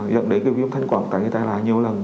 dẫn đến cái viêm thanh quản tải đi tải lại nhiều lần